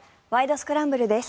スクランブル」です。